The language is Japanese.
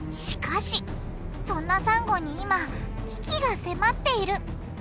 しかしそんなサンゴに今危機が迫っている！